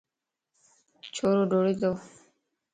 ڇورو ڊوڙتو